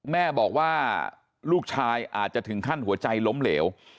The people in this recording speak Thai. แม่บอกว่าลูกชายอาจจะถึงขั้นหัวใจล้มเหลว